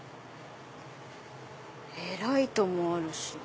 ライトもあるし。